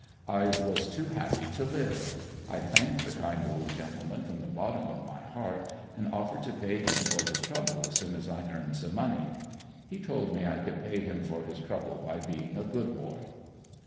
I was too happy to live. I thanked the kind old gentleman from the bottom of my heart and offered to pay him for his trouble as soon as I earned some money. He told me I could pay him for his trouble by being a good boy.